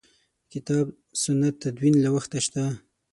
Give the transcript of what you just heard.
کتاب سنت تدوین له وخته شته.